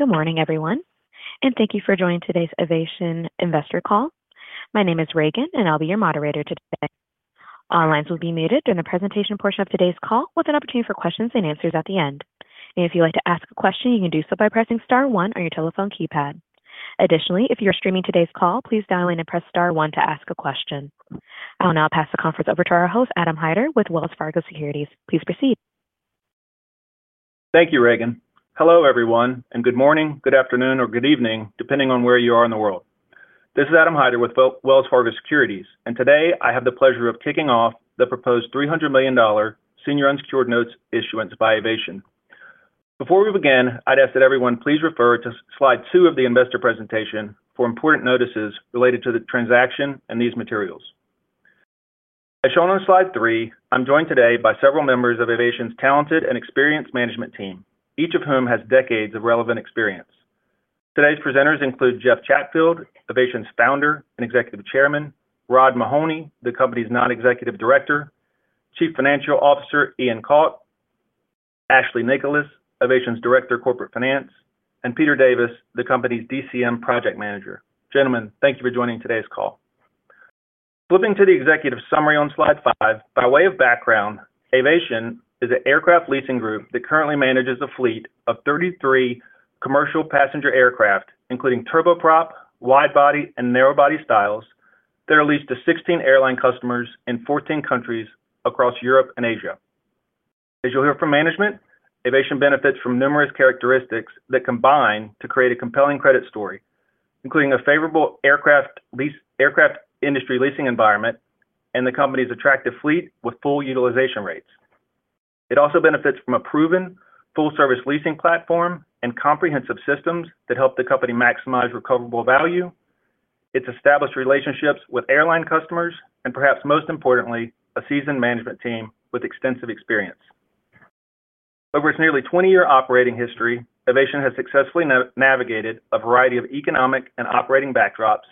Good morning, everyone, and thank you for joining today's Avation investor call. My name is Reagan, and I'll be your moderator today. All lines will be muted during the presentation portion of today's call, with an opportunity for questions and answers at the end. If you'd like to ask a question, you can do so by pressing star one on your telephone keypad. Additionally, if you're streaming today's call, please dial in and press star one to ask a question. I will now pass the conference over to our host, Adam Hyder, with Wells Fargo Securities. Please proceed. Thank you, Reagan. Hello, everyone, and good morning, good afternoon, or good evening, depending on where you are in the world. This is Adam Hyder with Wells Fargo Securities, and today I have the pleasure of kicking off the proposed $300 million senior unsecured notes issuance by Avation PLC. Before we begin, I'd ask that everyone please refer to slide two of the investor presentation for important notices related to the transaction and these materials. As shown on slide three, I'm joined today by several members of Avation PLC's talented and experienced management team, each of whom has decades of relevant experience. Today's presenters include Jeff Chatfield, Avation PLC's Founder and Executive Chairman, Rod Mahoney, the company's Non-Executive Director, Chief Financial Officer Iain Cawte, Ashley Nicholas, Avation PLC's Director of Corporate Finance, and Peter Davis, the company's DCM Project Manager. Gentlemen, thank you for joining today's call. Flipping to the executive summary on slide five, by way of background, Avation PLC is an aircraft lessor that currently manages a fleet of 33 commercial passenger aircraft, including turboprop, wide-body, and narrow-body styles that are leased to 16 airline customers in 14 countries across Europe and Asia. As you'll hear from management, Avation PLC benefits from numerous characteristics that combine to create a compelling credit story, including a favorable aircraft industry leasing environment and the company's attractive fleet with full utilization rates. It also benefits from a proven full-service leasing platform and comprehensive systems that help the company maximize recoverable value, its established relationships with airline customers, and perhaps most importantly, a seasoned management team with extensive experience. Over its nearly 20-year operating history, Avation PLC has successfully navigated a variety of economic and operating backdrops,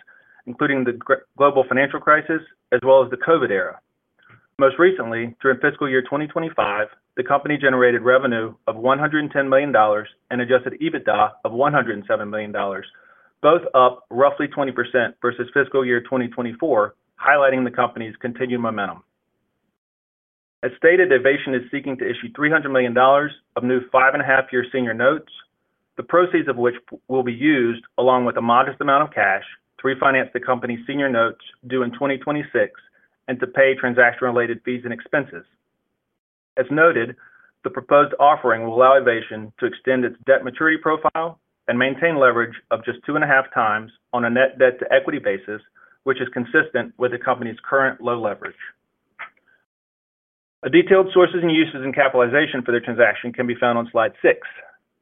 including the global financial crisis as well as the COVID era. Most recently, during fiscal year 2025, the company generated revenue of $110 million and adjusted EBITDA of $107 million, both up roughly 20% versus fiscal year 2024, highlighting the company's continued momentum. As stated, Avation PLC is seeking to issue $300 million of new five-and-a-half-year senior notes, the proceeds of which will be used, along with a modest amount of cash, to refinance the company's senior notes due in 2026 and to pay transaction-related fees and expenses. As noted, the proposed offering will allow Avation to extend its debt maturity profile and maintain leverage of just 2.5x on a net debt-to-equity basis, which is consistent with the company's current low leverage. A detailed sources and uses and capitalization for the transaction can be found on slide six.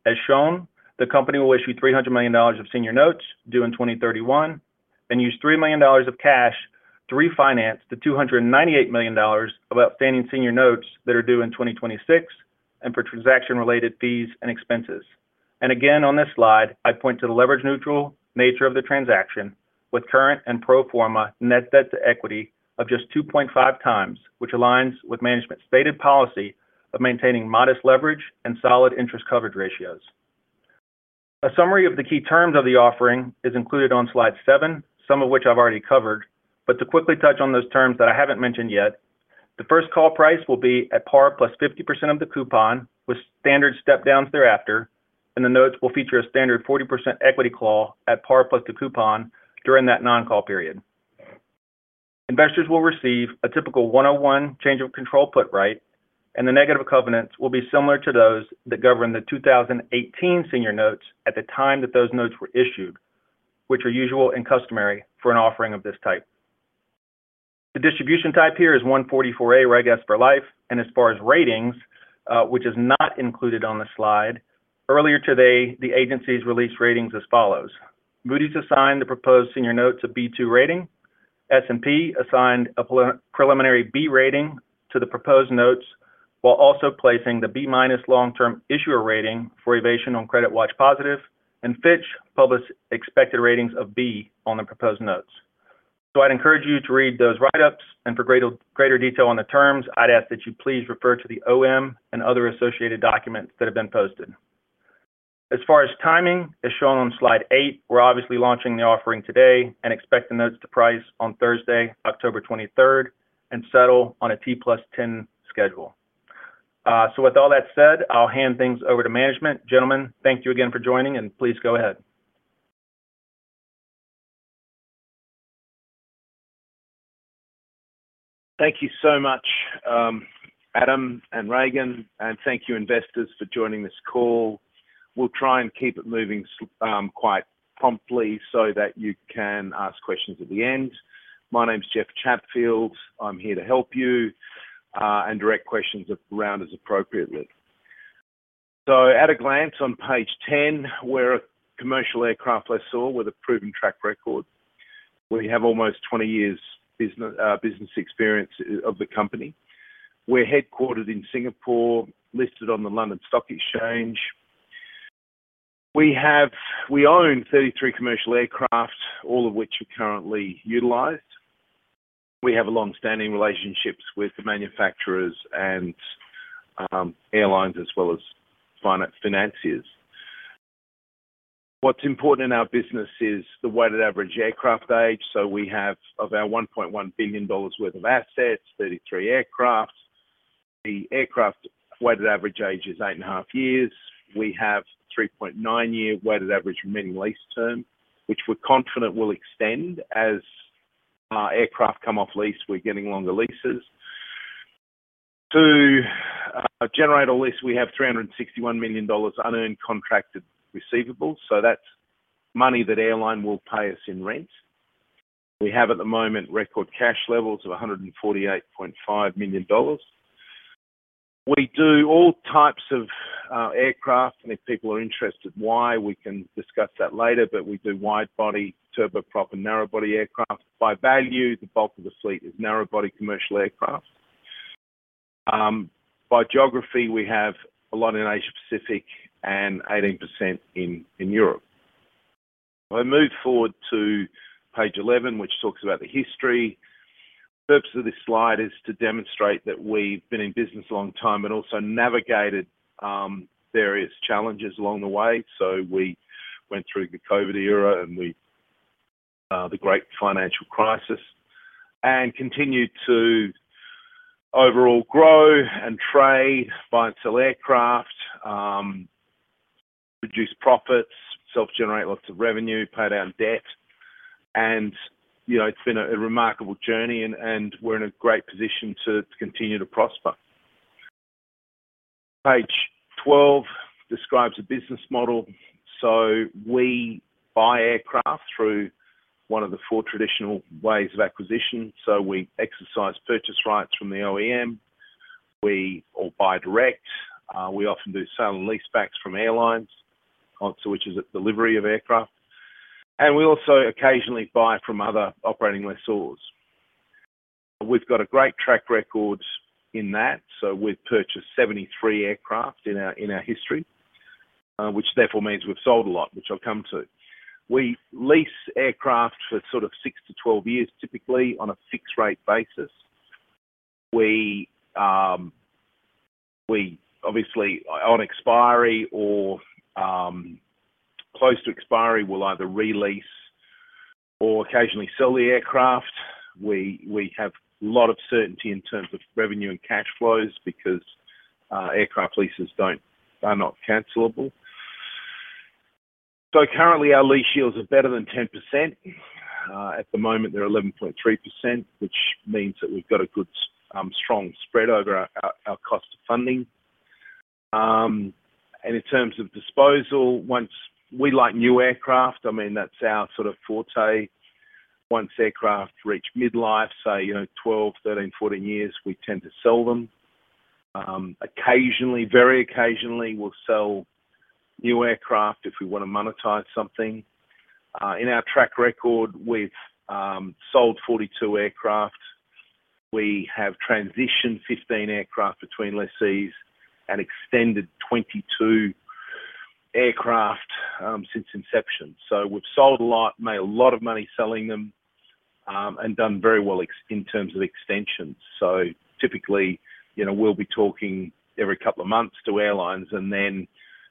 As shown, the company will issue $300 million of senior unsecured notes due in 2031 and use $3 million of cash to refinance the $298 million of outstanding senior unsecured notes that are due in 2026 and for transaction-related fees and expenses. On this slide, I point to the leverage-neutral nature of the transaction, with current and pro forma net debt-to-equity of just 2.5x, which aligns with management's stated policy of maintaining modest leverage and solid interest coverage ratios. A summary of the key terms of the offering is included on slide seven, some of which I've already covered, but to quickly touch on those terms that I haven't mentioned yet, the first call price will be at par +50% of the coupon, with standard step-downs thereafter, and the notes will feature a standard 40% equity call at par plus the coupon during that non-call period. Investors will receive a typical 101 change of control put right, and the negative covenants will be similar to those that govern the 2018 senior unsecured notes at the time that those notes were issued, which are usual and customary for an offering of this type. The distribution type here is 144A Reg S for life, and as far as ratings, which is not included on the slide, earlier today, the agencies released ratings as follows: Moody’s assigned the proposed senior unsecured notes a B2 rating, S&P assigned a preliminary B rating to the proposed notes, while also placing the B- long-term issuer rating for Avation on CreditWatch Positive, and Fitch published expected ratings of B on the proposed notes. I'd encourage you to read those write-ups, and for greater detail on the terms, I'd ask that you please refer to the OM and other associated documents that have been posted. As far as timing, as shown on slide eight, we're launching the offering today and expect the notes to price on Thursday, October 23, and settle on a T plus 10 schedule. With all that said, I'll hand things over to management. Gentlemen, thank you again for joining, and please go ahead. Thank you so much, Adam and Reagan, and thank you, investors, for joining this call. We'll try and keep it moving quite promptly so that you can ask questions at the end. My name's Jeff Chatfield. I'm here to help you and direct questions around as appropriately. At a glance on page 10, we're a commercial aircraft lessor with a proven track record. We have almost 20 years' business experience of the company. We're headquartered in Singapore, listed on the London Stock Exchange. We own 33 commercial aircraft, all of which are currently utilized. We have longstanding relationships with the manufacturers and airlines as well as financiers. What's important in our business is the weighted average aircraft age. Of our $1.1 billion worth of assets, 33 aircraft, the aircraft weighted average age is eight and a half years. We have a 3.9-year weighted average remaining lease term, which we're confident will extend as aircraft come off lease. We're getting longer leases. To generate all this, we have $361 million unearned contracted receivables. That's money that airline will pay us in rent. We have, at the moment, record cash levels of $148.5 million. We do all types of aircraft, and if people are interested, we can discuss that later. We do wide-body, turboprop, and narrow-body aircraft. By value, the bulk of the fleet is narrow-body commercial aircraft. By geography, we have a lot in Asia-Pacific and 18% in Europe. If I move forward to page 11, which talks about the history, the purpose of this slide is to demonstrate that we've been in business a long time and also navigated various challenges along the way. We went through the COVID era and the great financial crisis and continued to overall grow and trade and sell aircraft, reduce profits, self-generate lots of revenue, pay down debt. It's been a remarkable journey, and we're in a great position to continue to prosper. Page 12 describes the business model. We buy aircraft through one of the four traditional ways of acquisition. We exercise purchase rights from the OEM. We all buy direct. We often do sale and leasebacks from airlines, which is a delivery of aircraft. We also occasionally buy from other operating lessors. We've got a great track record in that. We've purchased 73 aircraft in our history, which therefore means we've sold a lot, which I'll come to. We lease aircraft for sort of 6 to 12 years, typically on a fixed-rate basis. We obviously, on expiry or close to expiry, will either release or occasionally sell the aircraft. We have a lot of certainty in terms of revenue and cash flows because aircraft leases are not cancelable. Currently, our lease yields are better than 10%. At the moment, they're 11.3%, which means that we've got a good strong spread over our cost of funding. In terms of disposal, once we like new aircraft, that's our sort of forte. Once aircraft reach midlife, say, 12, 13, 14 years, we tend to sell them. Occasionally, very occasionally, we'll sell new aircraft if we want to monetize something. In our track record, we've sold 42 aircraft. We have transitioned 15 aircraft between lessees and extended 22 aircraft since inception. We've sold a lot, made a lot of money selling them, and done very well in terms of extensions. Typically, we'll be talking every couple of months to airlines, and then,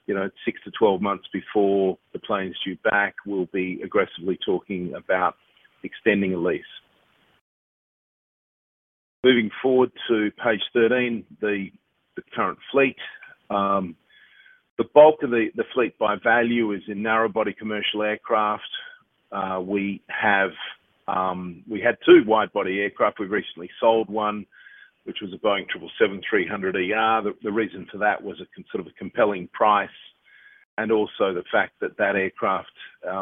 6 to 12 months before the plane's due back, we'll be aggressively talking about extending a lease. Moving forward to page 13, the current fleet, the bulk of the fleet by value is in narrow-body commercial aircraft. We had two wide-body aircraft. We recently sold one, which was a Boeing 777-300. The reason for that was a sort of a compelling price and also the fact that that aircraft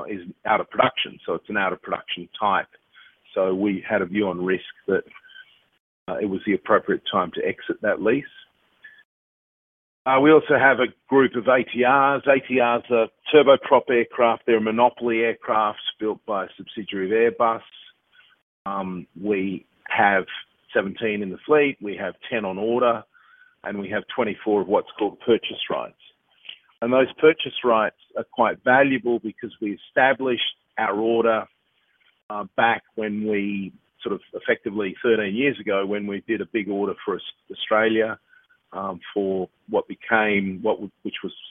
is out of production. It's an out-of-production type. We had a view on risk that it was the appropriate time to exit that lease. We also have a group of ATRs. ATRs are turboprop aircraft. They're monopoly aircraft built by a subsidiary of Airbus. We have 17 in the fleet. We have 10 on order, and we have 24 of what's called purchase rights. Those purchase rights are quite valuable because we established our order back when we effectively, 13 years ago, did a big order for Australia for what became what was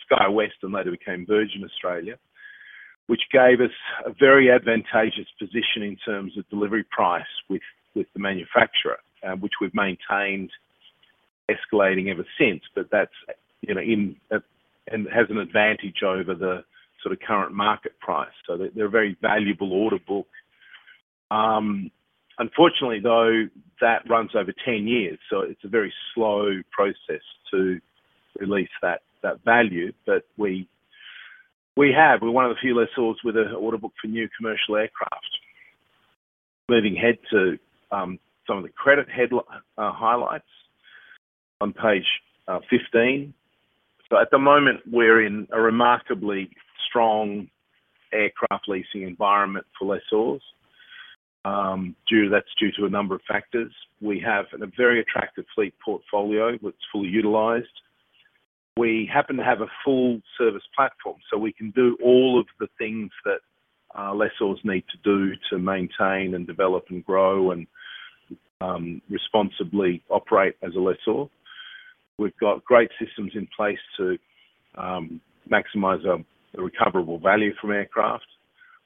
Sky West and later became Virgin Australia, which gave us a very advantageous position in terms of delivery price with the manufacturer, which we've maintained escalating ever since. That has an advantage over the current market price. They're a very valuable order book. Unfortunately, though, that runs over 10 years. It's a very slow process to release that value. We are one of the few lessors with an order book for new commercial aircraft. Moving ahead to some of the credit highlights on page 15, at the moment, we're in a remarkably strong aircraft leasing environment for lessors. That's due to a number of factors. We have a very attractive fleet portfolio that's fully utilized. We happen to have a full-service platform, so we can do all of the things that lessors need to do to maintain and develop and grow and responsibly operate as a lessor. We've got great systems in place to maximize the recoverable value from aircraft.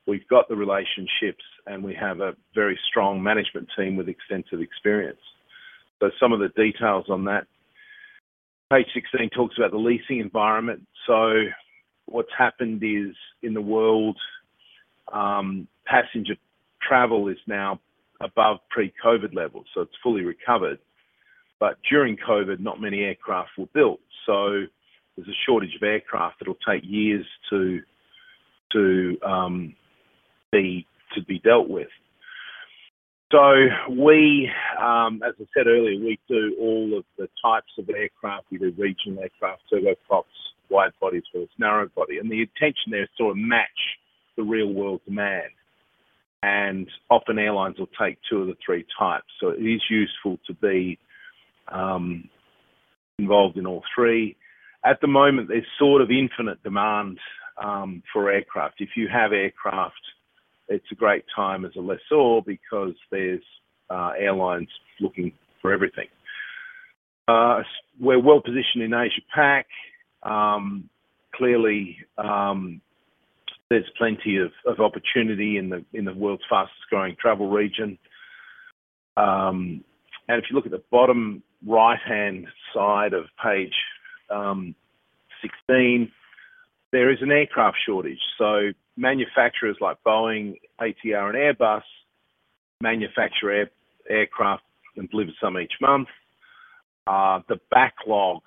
We've got the relationships, and we have a very strong management team with extensive experience. Some of the details on that page 16 talk about the leasing environment. What's happened is in the world, passenger travel is now above pre-COVID levels, so it's fully recovered. During COVID, not many aircraft were built, so there's a shortage of aircraft that will take years to be dealt with. As I said earlier, we do all of the types of aircraft. We do regional aircraft, turboprops, wide bodies, as well as narrow body. The intention there is to match the real-world demand, and often, airlines will take two of the three types. It is useful to be involved in all three. At the moment, there's sort of infinite demand for aircraft. If you have aircraft, it's a great time as a lessor because there's airlines looking for everything. We're well-positioned in Asia-Pacific. Clearly, there's plenty of opportunity in the world's fastest-growing travel region. If you look at the bottom right-hand side of page 16, there is an aircraft shortage. Manufacturers like Boeing, ATR, and Airbus manufacture aircraft and deliver some each month. The backlog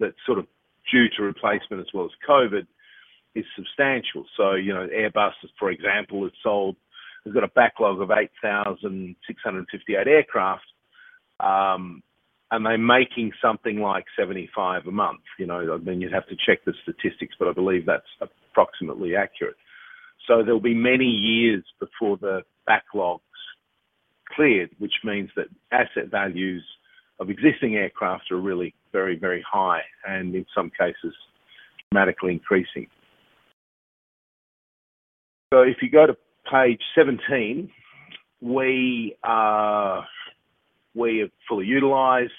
that's due to replacement, as well as COVID, is substantial. For example, Airbus has got a backlog of 8,658 aircraft, and they're making something like 75 a month. You'd have to check the statistics, but I believe that's approximately accurate. There will be many years before the backlogs clear, which means that asset values of existing aircraft are really very, very high and in some cases, dramatically increasing. If you go to page 17, we are fully utilized.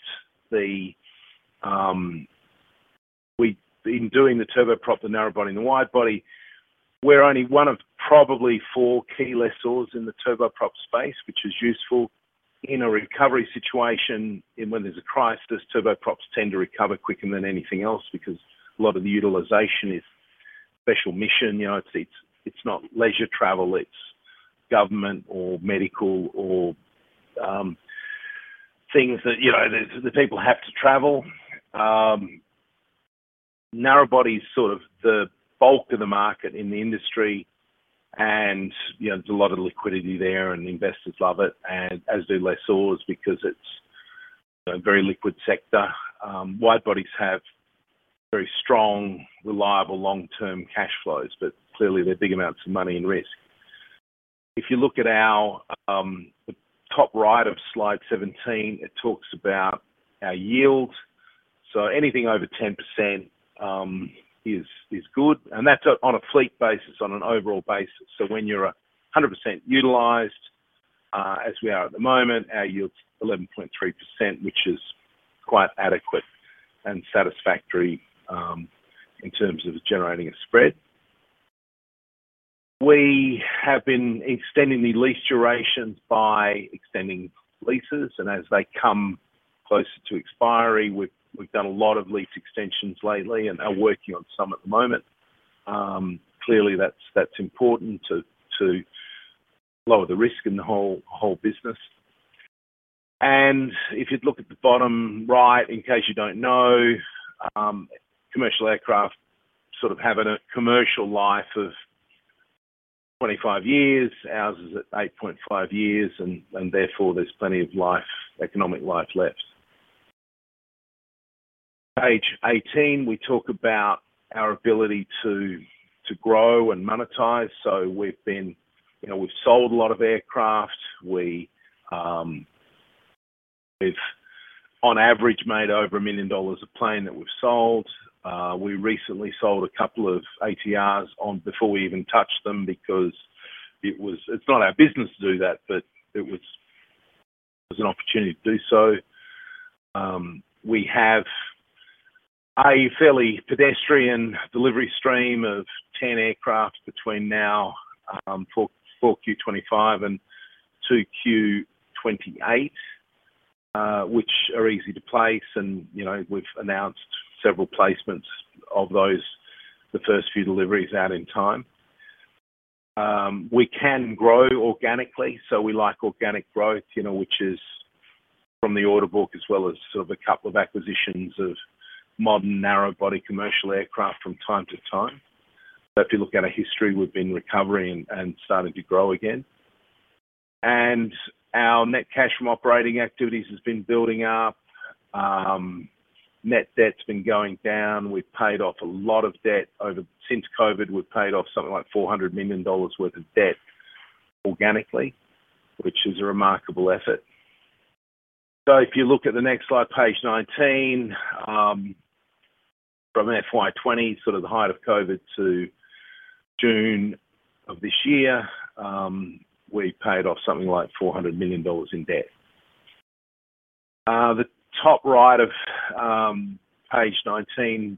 In doing the turboprop, the narrow body, and the wide body, we're only one of probably four key lessors in the turboprop space, which is useful in a recovery situation. When there's a crisis, turboprops tend to recover quicker than anything else because a lot of the utilization is special mission. You know, it's not leisure travel. It's government or medical or things that, you know, people have to travel. Narrow body is sort of the bulk of the market in the industry, and you know, there's a lot of liquidity there, and investors love it, as do lessors because it's a very liquid sector. Wide bodies have very strong, reliable, long-term cash flows, but clearly, they're big amounts of money and risk. If you look at our top right of slide 17, it talks about our yield. Anything over 10% is good, and that's on a fleet basis, on an overall basis. When you're 100% utilized, as we are at the moment, our yield's 11.3%, which is quite adequate and satisfactory in terms of generating a spread. We have been extending the lease durations by extending leases, and as they come closer to expiry, we've done a lot of lease extensions lately and are working on some at the moment. Clearly, that's important to lower the risk in the whole business. If you'd look at the bottom right, in case you don't know, commercial aircraft sort of have a commercial life of 25 years. Ours is at 8.5 years, and therefore, there's plenty of economic life left. Page 18, we talk about our ability to grow and monetize. We've sold a lot of aircraft. On average, we've made over $1 million a plane that we've sold. We recently sold a couple of ATRs before we even touched them because it's not our business to do that, but it was an opportunity to do so. We have a fairly pedestrian delivery stream of 10 aircraft between now for Q2 2025 and Q2 2028, which are easy to place. We've announced several placements of those, the first few deliveries out in time. We can grow organically. We like organic growth, which is from the order book, as well as a couple of acquisitions of modern narrow-body commercial aircraft from time to time. If you look at our history, we've been recovering and starting to grow again. Our net cash from operating activities has been building up. Net debt's been going down. We've paid off a lot of debt. Since COVID, we've paid off something like $400 million worth of debt organically, which is a remarkable effort. If you look at the next slide, page 19, from FY2020, sort of the height of COVID to June of this year, we paid off something like $400 million in debt. The top right of page 19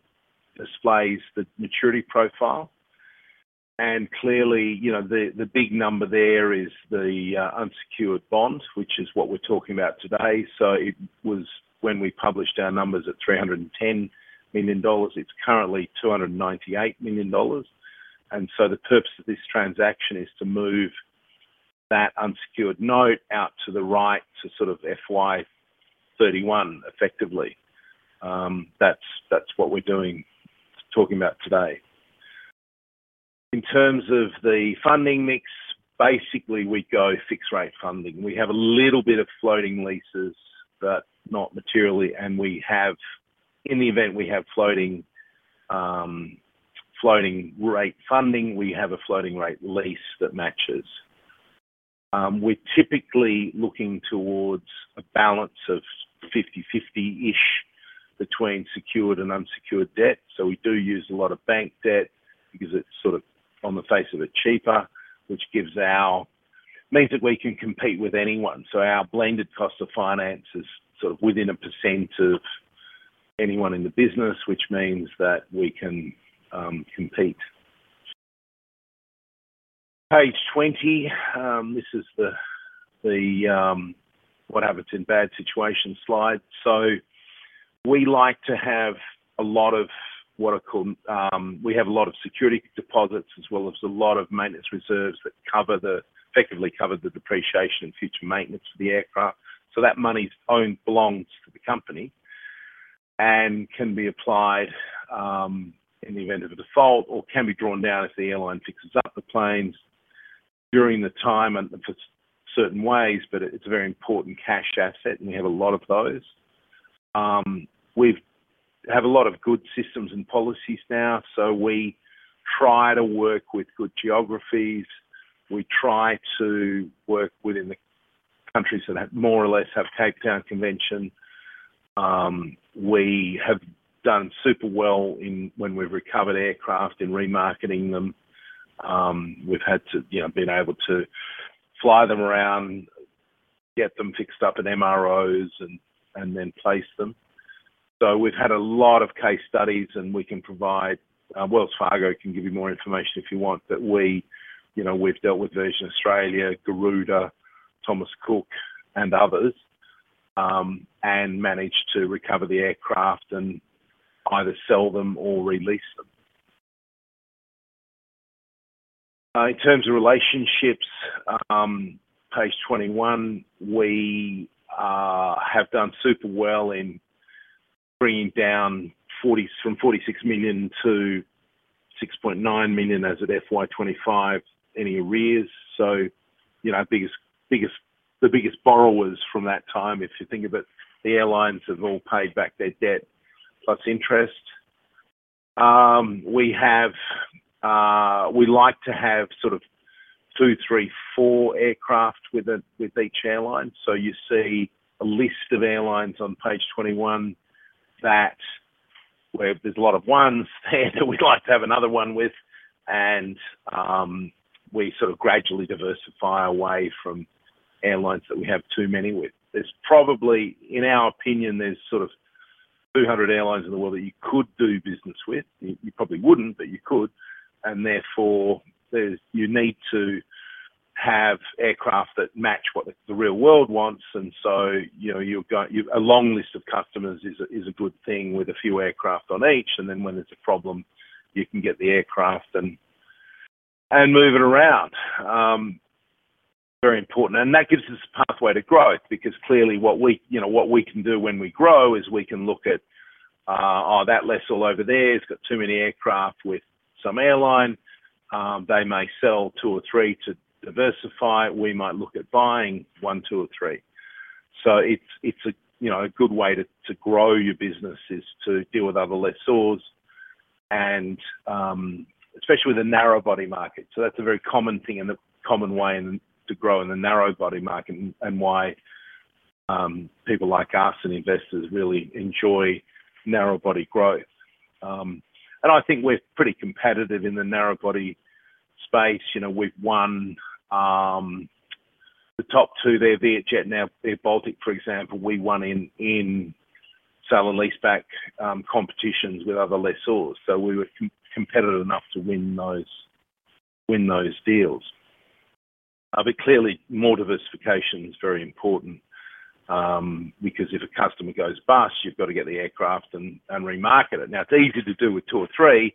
displays the maturity profile. Clearly, the big number there is the unsecured bond, which is what we're talking about today. When we published our numbers, it was $310 million. It's currently $298 million. The purpose of this transaction is to move that unsecured note out to the right to sort of FY2031 effectively. That's what we're talking about today. In terms of the funding mix, basically, we go fixed-rate funding. We have a little bit of floating leases, but not materially. In the event we have floating rate funding, we have a floating rate lease that matches. We're typically looking towards a balance of 50/50 between secured and unsecured debt. We do use a lot of bank debt because it's sort of on the face of it cheaper, which means that we can compete with anyone. Our blended cost of finance is within a percent of anyone in the business, which means that we can compete. Page 20, this is the what-have-its-in-bad situation slide. We like to have a lot of what are called, we have a lot of security deposits, as well as a lot of maintenance reserves that effectively cover the depreciation and future maintenance of the aircraft. That money belongs to the company and can be applied in the event of a default or can be drawn down if the airline fixes up the planes during the time and for certain ways. It's a very important cash asset, and we have a lot of those. We have a lot of good systems and policies now. We try to work with good geographies. We try to work within the countries that more or less have takedown convention. We have done super well when we've recovered aircraft in remarketing them. We've been able to fly them around, get them fixed up at MROs, and then place them. We've had a lot of case studies, and we can provide, Wells Fargo can give you more information if you want, that we've dealt with Virgin Australia, Garuda, Thomas Cook, and others, and managed to recover the aircraft and either sell them or release them. In terms of relationships, page 21, we have done super well in bringing down from $46 million to $6.9 million as of FY2025 any arrears. The biggest borrowers from that time, if you think of it, the airlines have all paid back their debt plus interest. We like to have sort of two, three, four aircraft with each airline. You see a list of airlines on page 21 where there's a lot of ones there that we'd like to have another one with. We gradually diversify away from airlines that we have too many with. In our opinion, there's sort of 200 airlines in the world that you could do business with. You probably wouldn't, but you could. Therefore, you need to have aircraft that match what the real world wants. You're going a long list of customers, which is a good thing, with a few aircraft on each. When there's a problem, you can get the aircraft and move it around. Very important. That gives us a pathway to growth because clearly, what we can do when we grow is look at, "Oh, that lessor over there has got too many aircraft with some airline. They may sell two or three to diversify. We might look at buying one, two, or three." It's a good way to grow your business to deal with other lessors, especially with a narrow-body market. That's a very common thing and a common way to grow in the narrow-body market and why people like us and investors really enjoy narrow-body growth. I think we're pretty competitive in the narrow-body space. We've won the top two there, VietJet and AirBaltic, for example. We won in sale and leaseback competitions with other lessors. We were competitive enough to win those deals. More diversification is very important because if a customer goes bust, you've got to get the aircraft and remarket it. It's easy to do with two or three,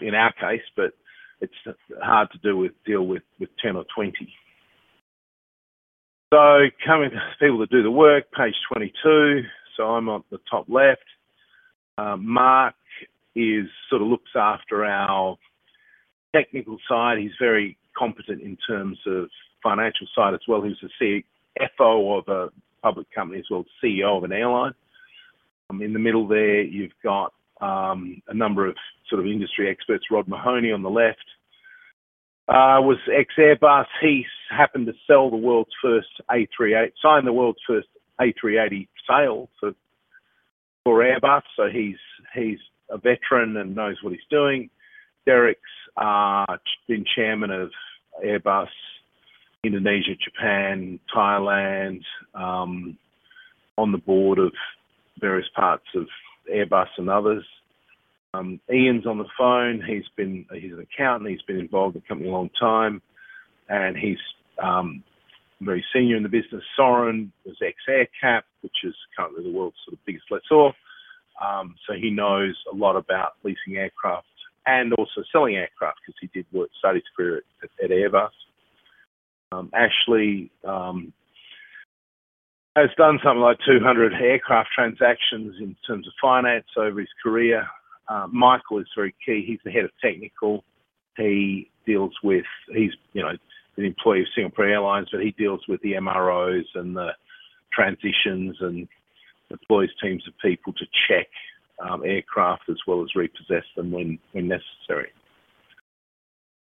in our case, but it's hard to deal with 10 or 20. Coming to the people that do the work, page 22. I'm on the top left. Mark looks after our technical side. He's very competent in terms of the financial side as well. He was the CFO of a public company as well as CEO of an airline. In the middle there, you've got a number of industry experts. Rod Mahoney on the left was ex-Airbus. He happened to sell the world's first A380, sign the world's first A380 sale for Airbus. He's a veteran and knows what he's doing. Derek's been Chairman of Airbus in Indonesia, Japan, Thailand, and on the board of various parts of Airbus and others. Ian's on the phone. He's an accountant. He's been involved in the company a long time, and he's very senior in the business. Sorin was ex-AerCap, which is currently the world's sort of biggest lessor. He knows a lot about leasing aircraft and also selling aircraft because he did work studies for it at Airbus. Ashley has done something like 200 aircraft transactions in terms of finance over his career. Michael is very key. He's the Head of Technical. He deals with, he's an employee of Singapore Airlines, but he deals with the MROs and the transitions and employs teams of people to check aircraft as well as repossess them when necessary.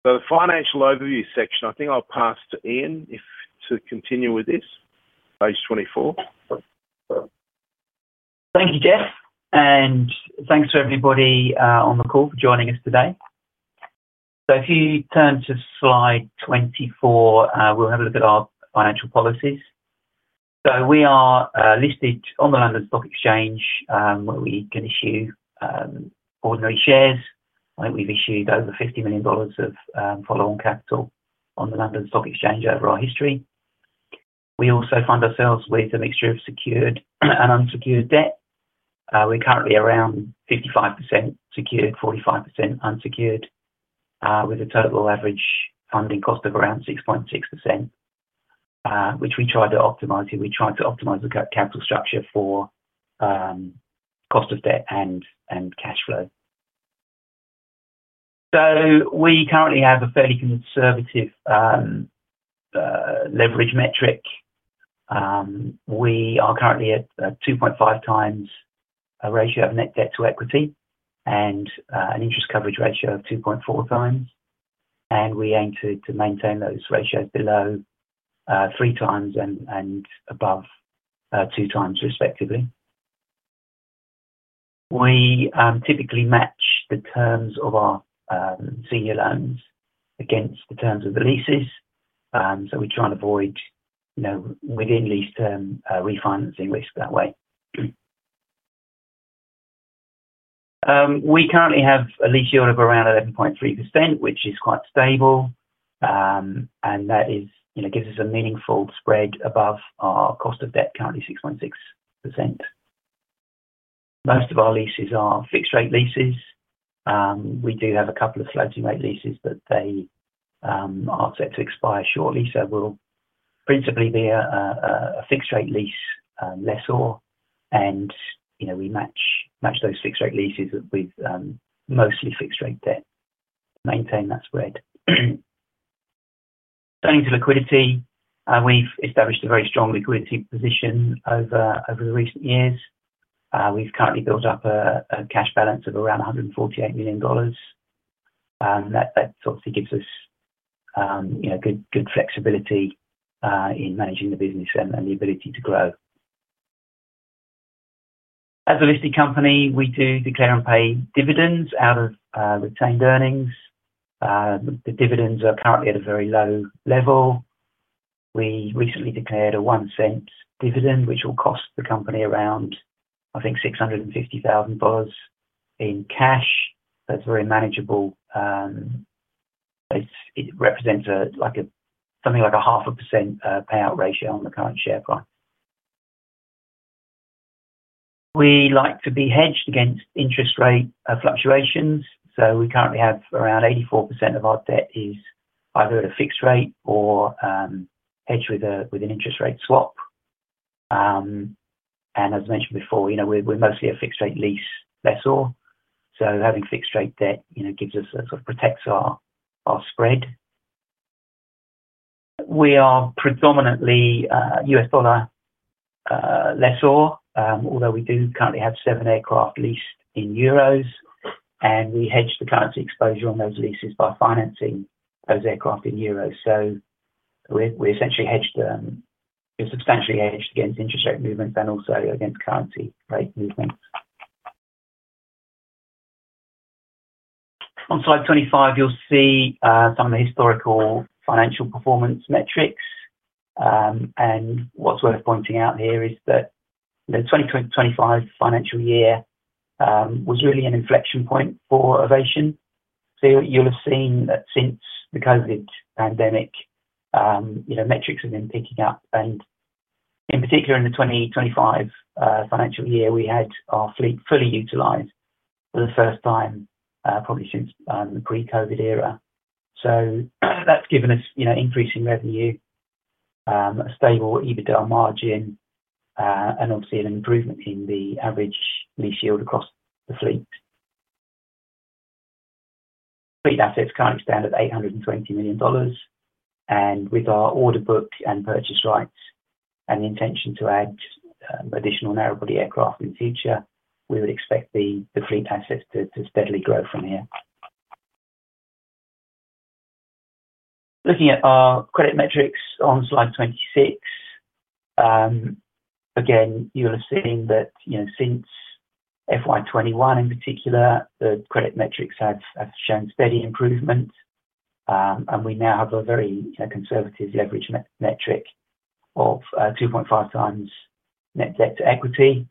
The financial overview section, I think I'll pass to Iain to continue with this, page 24. Thank you, Jeff. Thanks to everybody on the call for joining us today. If you turn to slide 24, we'll have a look at our financial policies. We are listed on the London Stock Exchange, where we can issue ordinary shares. We've issued over $50 million of follow-on capital on the London Stock Exchange over our history. We also fund ourselves with a mixture of secured and unsecured debt. We're currently around 55% secured, 45% unsecured, with a total average funding cost of around 6.6%, which we try to optimize here. We try to optimize the capital structure for cost of debt and cash flow. We currently have a fairly conservative leverage metric. We are currently at a 2.5x ratio of net debt-to-equity and an interest coverage ratio of 2.4x. We aim to maintain those ratios below 3x and above 2x, respectively. We typically match the terms of our senior loans against the terms of the leases. We try and avoid, within lease term, refinancing risk that way. We currently have a lease yield of around 11.3%, which is quite stable. That gives us a meaningful spread above our cost of debt, currently 6.6%. Most of our leases are fixed-rate leases. We do have a couple of floating-rate leases, but they are set to expire shortly. We'll principally be a fixed-rate lease lessor. We match those fixed-rate leases with mostly fixed-rate debt to maintain that spread. Turning to liquidity, we've established a very strong liquidity position over the recent years. We've currently built up a cash balance of around $148 million. That obviously gives us good flexibility in managing the business and the ability to grow. As a listed company, we do declare and pay dividends out of retained earnings. The dividends are currently at a very low level. We recently declared a $0.01 dividend, which will cost the company around, I think, $650,000 in cash. That's very manageable. It represents something like a 0.5% payout ratio on the current share price. We like to be hedged against interest rate fluctuations. We currently have around 84% of our debt either at a fixed rate or hedged with an interest rate swap. As I mentioned before, we're mostly a fixed-rate lease lessor. Having fixed-rate debt protects our spread. We are predominantly a U.S. dollar lessor, although we do currently have seven aircraft leased in euros. We hedge the currency exposure on those leases by financing those aircraft in euros. We're essentially hedged, you're substantially hedged against interest rate movements and also against currency rate movements. On slide 25, you'll see some of the historical financial performance metrics. What's worth pointing out here is that the 2025 financial year was really an inflection point for Avation. You'll have seen that since the COVID pandemic, metrics have been picking up. In particular, in the 2025 financial year, we had our fleet fully utilized for the first time probably since the pre-COVID era. That's given us increasing revenue, a stable EBITDA margin, and obviously an improvement in the average lease yield across the fleet. Fleet assets currently stand at $820 million. With our order book and purchase rights and the intention to add additional narrow-body aircraft in the future, we would expect the fleet assets to steadily grow from here. Looking at our credit metrics on slide 26, you'll have seen that since FY2021, in particular, the credit metrics have shown steady improvement. We now have a very conservative leverage metric of 2.5x net debt-to-equity.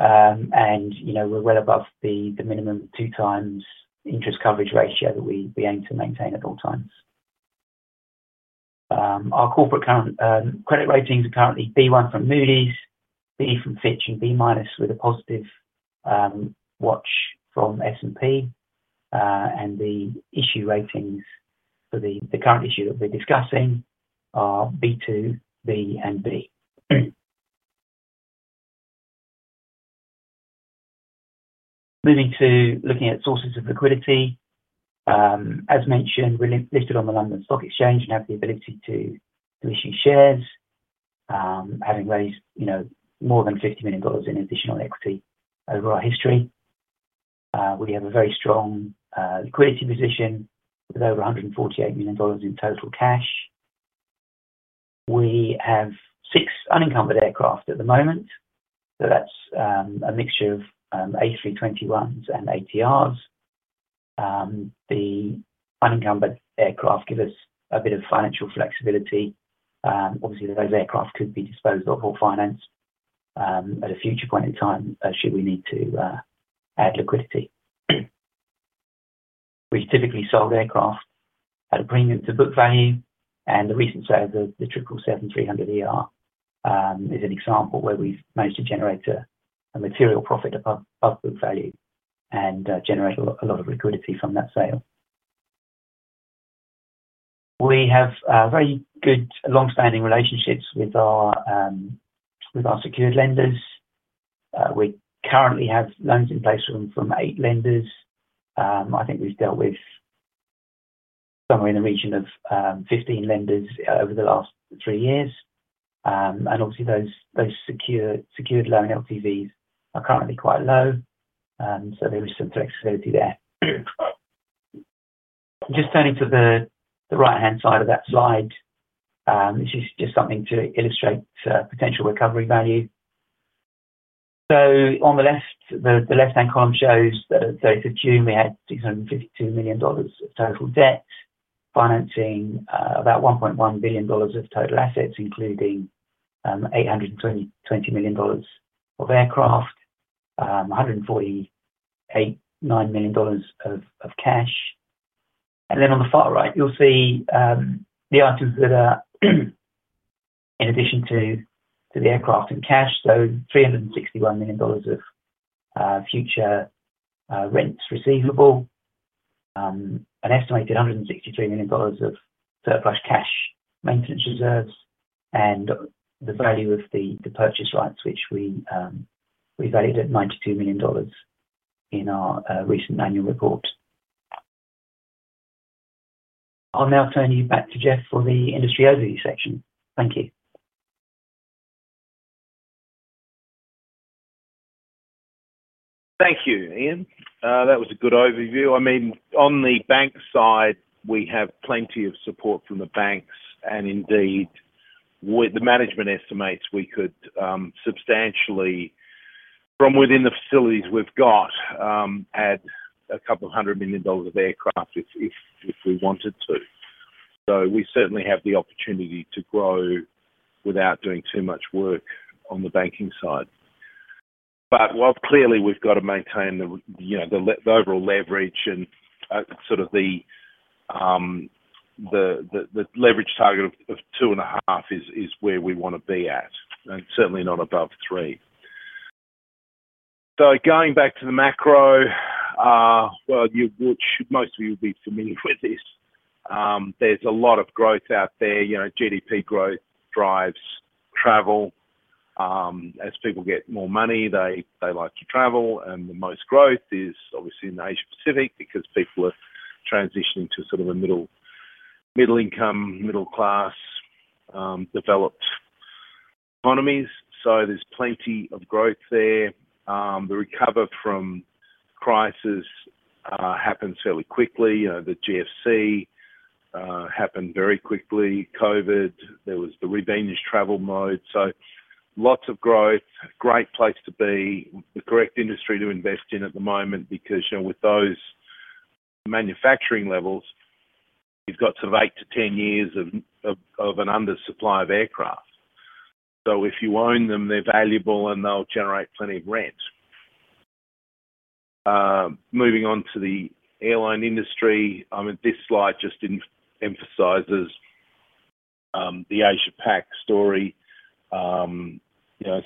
We're well above the minimum of 2x interest coverage ratio that we aim to maintain at all times. Our corporate current credit ratings are currently B1 from Moody’s, B from Fitch, and B- with a positive watch from S&P. The issue ratings for the current issue that we're discussing are B2, B, and B. Moving to looking at sources of liquidity, as mentioned, we're listed on the London Stock Exchange and have the ability to issue shares, having raised more than $50 million in additional equity over our history. We have a very strong liquidity position with over $148 million in total cash. We have six unencumbered aircraft at the moment. That's a mixture of A321s and ATRs. The unencumbered aircraft give us a bit of financial flexibility. Obviously, those aircraft could be disposed of or financed at a future point in time should we need to add liquidity. We've typically sold aircraft at a premium to book value. The recent sale of the 777-300 is an example where we've managed to generate a material profit above book value and generate a lot of liquidity from that sale. We have very good long-standing relationships with our secured lenders. We currently have loans in place from eight lenders. I think we've dealt with somewhere in the region of 15 lenders over the last three years. Obviously, those secured loan LTVs are currently quite low, so there is some flexibility there. Just turning to the right-hand side of that slide, this is just something to illustrate potential recovery value. On the left, the left-hand column shows that in June, we had $652 million of total debt, financing about $1.1 billion of total assets, including $820 million of aircraft and $149.9 million of cash. On the far right, you'll see the items that are in addition to the aircraft and cash: $361 million of future rents receivable, an estimated $163 million of surplus cash maintenance reserves, and the value of the purchase rights, which we valued at $92 million in our recent annual report. I'll now turn you back to Jeff for the industry overview section. Thank you. Thank you, Iain. That was a good overview. I mean, on the bank side, we have plenty of support from the banks. Indeed, with the management estimates, we could substantially, from within the facilities we've got, add a couple of hundred million dollars of aircraft if we wanted to. We certainly have the opportunity to grow without doing too much work on the banking side. Clearly, we've got to maintain the overall leverage and sort of the leverage target of 2.5 is where we want to be at, and certainly not above 3. Going back to the macro, most of you would be familiar with this. There's a lot of growth out there. GDP growth drives travel. As people get more money, they like to travel. The most growth is obviously in the Asia-Pacific because people are transitioning to sort of a middle-income, middle-class, developed economies. There's plenty of growth there. The recovery from crisis happens fairly quickly. The GFC happened very quickly. COVID, there was the rebated travel mode. Lots of growth, great place to be, the correct industry to invest in at the moment because, with those manufacturing levels, you've got sort of 8 to 10 years of an undersupply of aircraft. If you own them, they're valuable, and they'll generate plenty of rent. Moving on to the airline industry, this slide just emphasizes the Asia-Pacific story.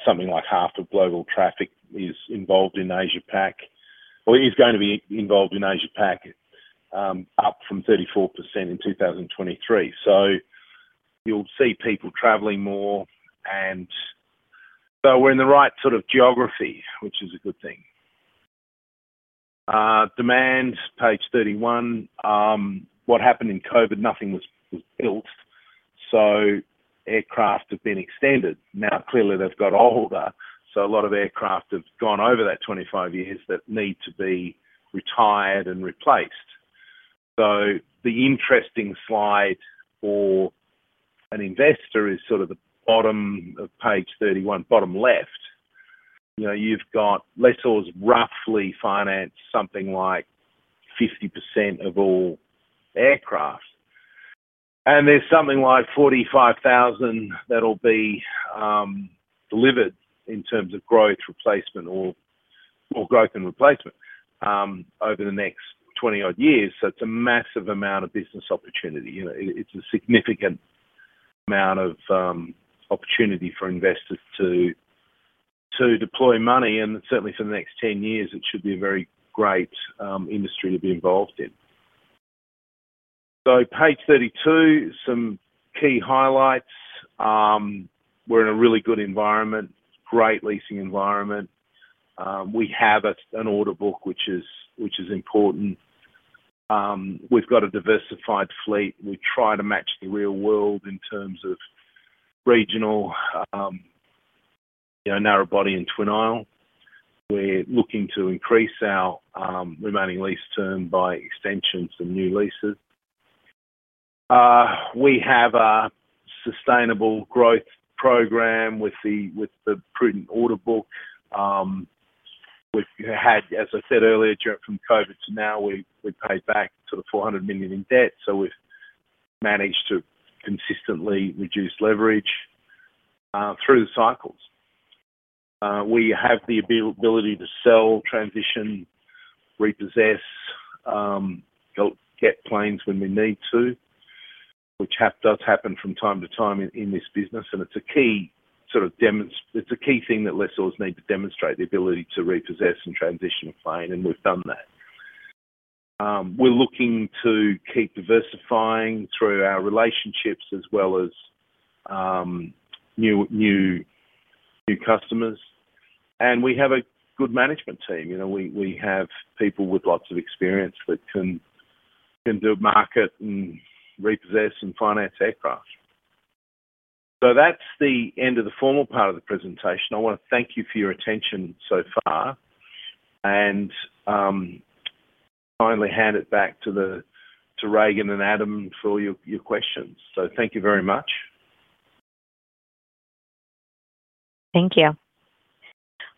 Something like half of global traffic is involved in Asia-Pacific or is going to be involved in Asia-Pacific, up from 34% in 2023. You'll see people traveling more. We're in the right sort of geography, which is a good thing. Demand, page 31. What happened in COVID? Nothing was built. Aircraft have been extended. Now, clearly, they've got older. A lot of aircraft have gone over that 25 years that need to be retired and replaced. The interesting slide for an investor is sort of the bottom of page 31, bottom left. You've got lessors roughly financed something like 50% of all aircraft. There's something like 45,000 that will be delivered in terms of growth, replacement, or growth and replacement over the next 20-odd years. It's a massive amount of business opportunity. It's a significant amount of opportunity for investors to deploy money. Certainly, for the next 10 years, it should be a very great industry to be involved in. Page 32, some key highlights. We're in a really good environment, great leasing environment. We have an order book, which is important. We've got a diversified fleet. We try to match the real world in terms of regional, you know, narrow body and twin aisle. We're looking to increase our remaining lease term by extensions and new leases. We have a sustainable growth program with the prudent order book. We've had, as I said earlier, from COVID to now, we've paid back sort of $400 million in debt. We've managed to consistently reduce leverage through the cycles. We have the ability to sell, transition, repossess, help get planes when we need to, which does happen from time to time in this business. It's a key thing that lessors need to demonstrate the ability to repossess and transition a plane, and we've done that. We're looking to keep diversifying through our relationships as well as new customers. We have a good management team. We have people with lots of experience that can do market and repossess and finance aircraft. That's the end of the formal part of the presentation. I want to thank you for your attention so far. Finally, hand it back to Reagan and Adam for your questions. Thank you very much. Thank you.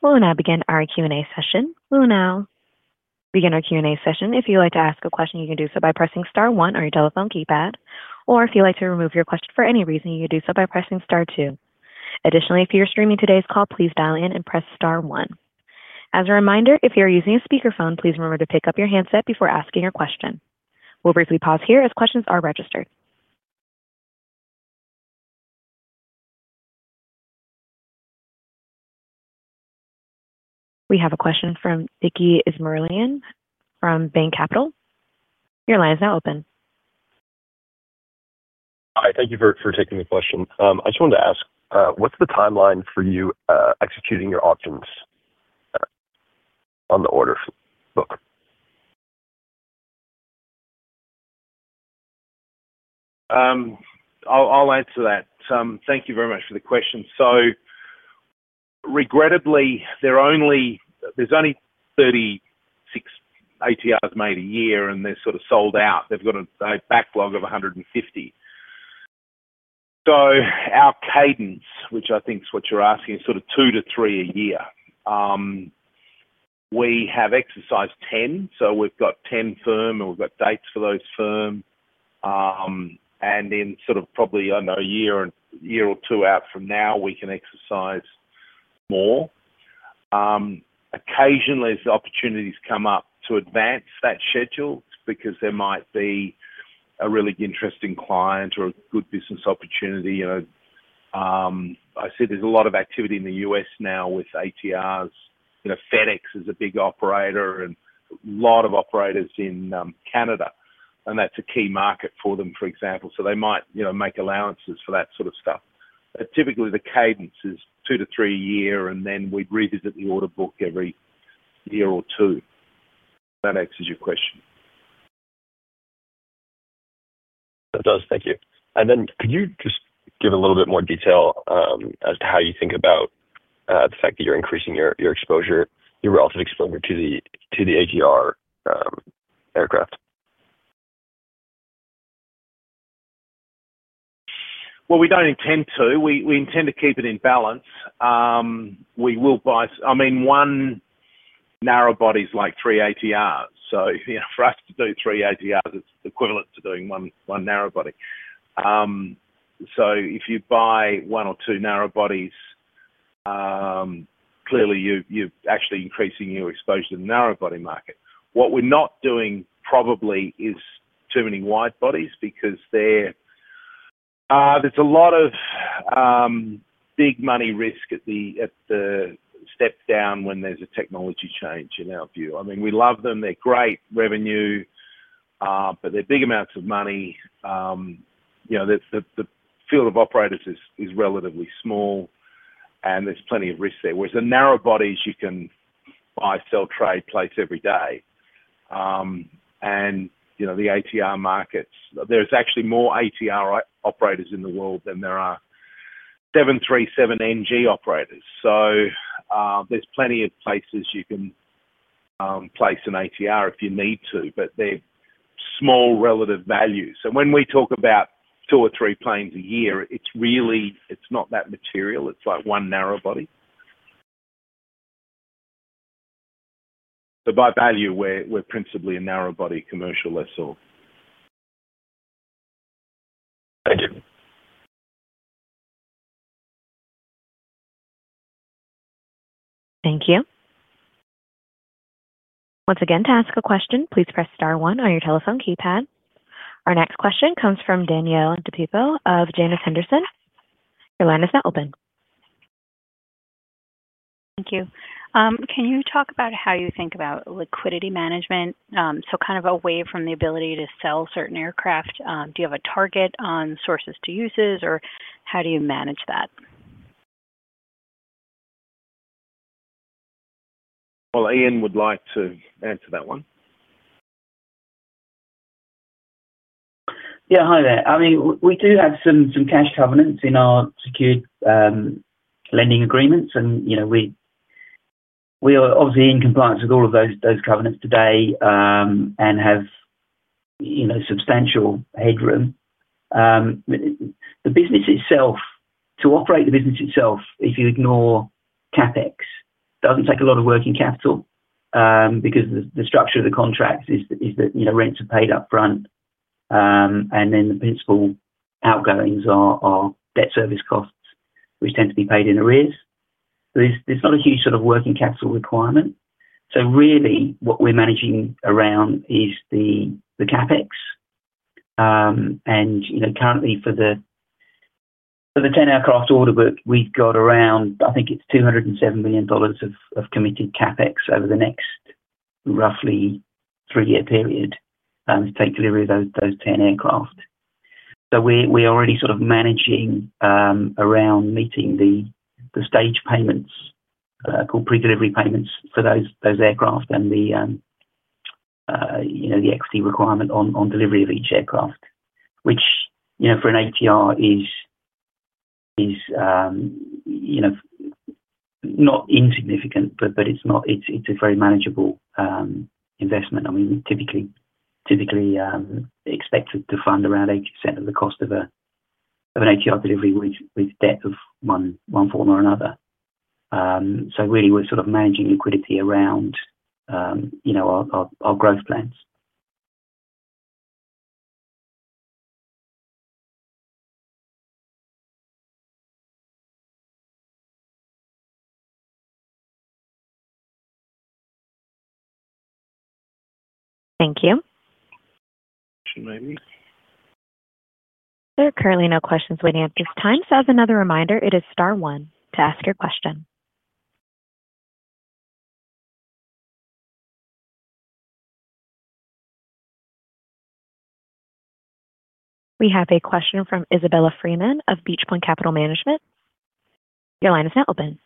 We'll now begin our Q&A session. If you'd like to ask a question, you can do so by pressing star one on your telephone keypad. If you'd like to remove your question for any reason, you can do so by pressing star two. Additionally, if you're streaming today's call, please dial in and press star one. As a reminder, if you're using a speakerphone, please remember to pick up your handset before asking your question. We'll briefly pause here as questions are registered. We have a question from Vicky Ismurlian from Bain Capital. Your line is now open. Hi. Thank you for taking the question. I just wanted to ask, what's the timeline for you executing your options on the order book? I'll answer that. Thank you very much for the question. Regrettably, there's only 36 ATRs made a year, and they're sort of sold out. They've got a backlog of 150. Our cadence, which I think is what you're asking, is sort of two to three a year. We have exercised 10, so we've got 10 firm, and we've got dates for those firm. In probably, I don't know, a year or two out from now, we can exercise more. Occasionally, as opportunities come up to advance that schedule because there might be a really interesting client or a good business opportunity. I see there's a lot of activity in the U.S. now with ATRs. FedEx is a big operator and a lot of operators in Canada, and that's a key market for them, for example. They might make allowances for that sort of stuff. Typically, the cadence is two to three a year, and then we'd revisit the order book every year or two. That answers your question. Thank you. Could you just give a little bit more detail as to how you think about the fact that you're increasing your exposure, your relative exposure to the ATR aircraft? We don't intend to. We intend to keep it in balance. We will buy, I mean, one narrow body is like three ATRs. For us to do three ATRs, it's equivalent to doing one narrow body. If you buy one or two narrow bodies, clearly, you're actually increasing your exposure to the narrow body market. What we're not doing probably is too many wide bodies because there's a lot of big money risk at the step down when there's a technology change in our view. I mean, we love them. They're great revenue, but they're big amounts of money. The field of operators is relatively small, and there's plenty of risk there. Whereas the narrow bodies, you can buy, sell, trade, place every day. The ATR markets, there's actually more ATR operators in the world than there are 737NG operators. There's plenty of places you can place an ATR if you need to, but they're small relative values. When we talk about two or three planes a year, it's really, it's not that material. It's like one narrow body. By value, we're principally a narrow body commercial lessor. Thank you. Thank you. Once again, to ask a question, please press star one on your telephone keypad. Our next question comes from Danielle DePippo of Janus Henderson. Your line is now open. Thank you. Can you talk about how you think about liquidity management? Kind of away from the ability to sell certain aircraft, do you have a target on sources to uses, or how do you manage that? Iain would like to answer that one. Yeah. Hi there. I mean, we do have some cash covenants in our secured lending agreements. You know, we are obviously in compliance with all of those covenants today and have substantial headroom. The business itself, to operate the business itself, if you ignore CapEx, doesn't take a lot of working capital because the structure of the contract is that rents are paid upfront, and then the principal outgoings are debt service costs, which tend to be paid in arrears. There's not a huge sort of working capital requirement. Really, what we're managing around is the CapEx. Currently, for the 10 aircraft order book, we've got around, I think it's $207 million of committed CapEx over the next roughly three-year period to take delivery of those 10 aircraft. We're already sort of managing around meeting the stage payments, called pre-delivery payments for those aircraft, and the equity requirement on delivery of each aircraft, which, for an ATR, is not insignificant, but it's a very manageable investment. I mean, we typically expect to fund around 80% of the cost of an ATR delivery with debt of one form or another. Really, we're sort of managing liquidity around our growth plans. Thank you. Question, maybe? There are currently no questions waiting at this time. As another reminder, it is star one to ask your question. We have a question from Isabella Freeman of Beach Point Capital Management. Your line is now open.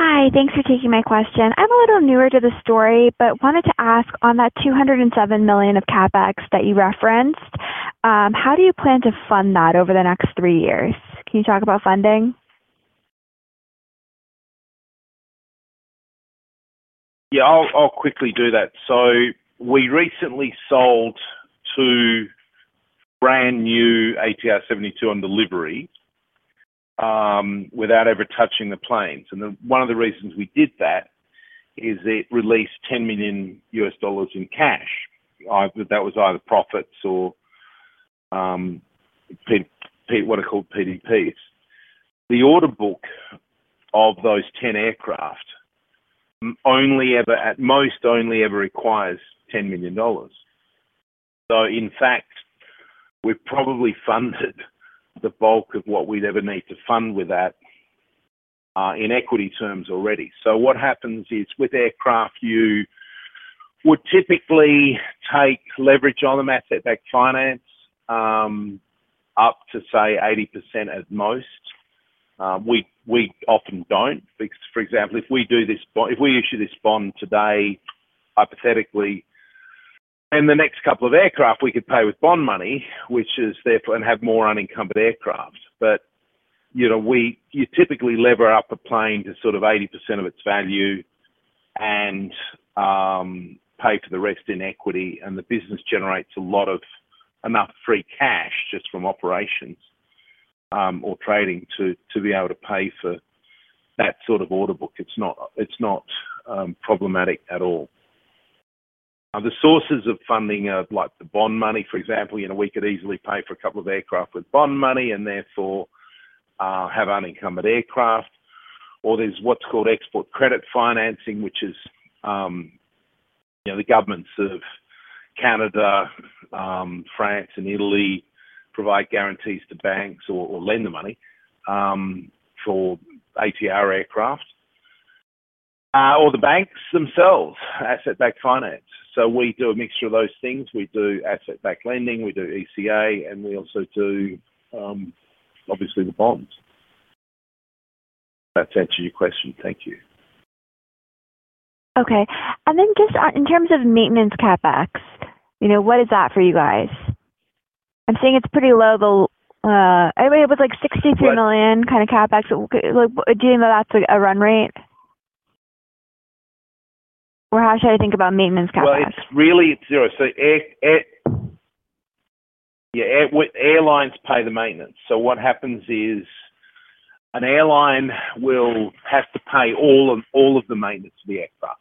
Hi. Thanks for taking my question. I'm a little newer to the story, but wanted to ask, on that $207 million of CapEx that you referenced, how do you plan to fund that over the next three years? Can you talk about funding? Yeah. I'll quickly do that. We recently sold two brand new ATR 72-600 on delivery without ever touching the planes. One of the reasons we did that is it released $10 million in cash. That was either profits or what are called PDPs. The order book of those 10 aircraft only ever, at most, only ever requires $10 million. In fact, we've probably funded the bulk of what we'd ever need to fund with that in equity terms already. What happens is with aircraft, you would typically take leverage on them at that finance up to, say, 80% at most. We often don't. For example, if we do this, if we issue this bond today, hypothetically, and the next couple of aircraft, we could pay with bond money, which is there and have more unencumbered aircraft. You typically lever up a plane to sort of 80% of its value and pay for the rest in equity. The business generates a lot of enough free cash just from operations or trading to be able to pay for that sort of order book. It's not problematic at all. The sources of funding are like the bond money, for example. We could easily pay for a couple of aircraft with bond money and therefore have unencumbered aircraft. There's what's called export credit financing, which is the governments of Canada, France, and Italy provide guarantees to banks or lend the money for ATR aircraft. The banks themselves, asset-backed finance. We do a mixture of those things. We do asset-backed lending. We do ECA. We also do, obviously, the bonds. That's answered your question. Thank you. Okay. In terms of maintenance capex, what is that for you guys? I'm seeing it's pretty low, but anyway, with $63 million kind of CapEx, do you think that that's a run rate? How should I think about maintenance capex? It is really at zero. Airlines pay the maintenance. What happens is an airline will have to pay all of the maintenance to the aircraft.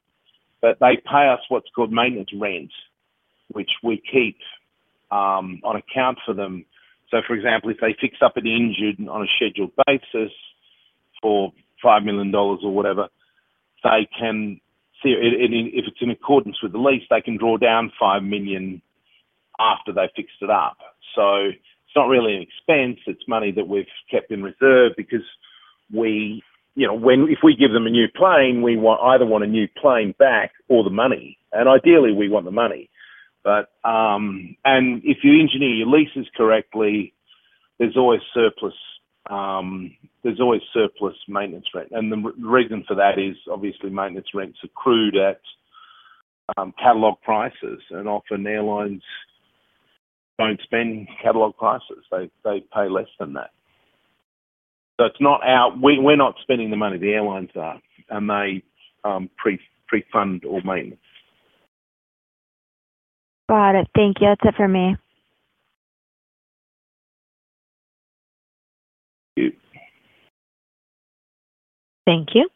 They pay us what's called maintenance rent, which we keep on account for them. For example, if they fix up an engine on a scheduled basis for $5 million or whatever, they can see it. If it's in accordance with the lease, they can draw down $5 million after they fixed it up. It is not really an expense. It is money that we've kept in reserve because if we give them a new plane, we either want a new plane back or the money. Ideally, we want the money. If you engineer your leases correctly, there is always surplus maintenance rent. The reason for that is, obviously, maintenance rents are accrued at catalog prices. Often, airlines do not spend catalog prices. They pay less than that. It is not our money; we are not spending the money. The airlines are. They pre-fund all maintenance. Got it. Thank you. That's it for me. Thank you. Thank you.